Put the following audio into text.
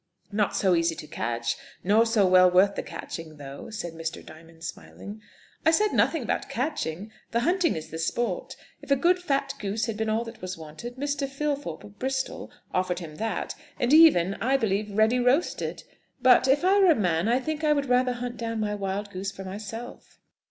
"Not so easy to catch, nor so well worth the catching, though," said Mr. Diamond, smiling. "I said nothing about catching. The hunting is the sport. If a good fat goose had been all that was wanted, Mr. Filthorpe, of Bristol, offered him that; and even, I believe, ready roasted. But if I were a man, I think I would rather hunt down my wild goose for myself."